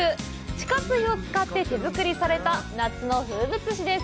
地下水を使って手作りされた夏の風物詩です。